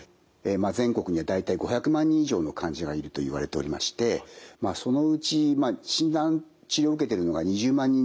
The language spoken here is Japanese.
全国には大体５００万人以上の患者がいるといわれておりましてまあそのうち診断治療を受けてるのが２０万人程度というふうにいわれています。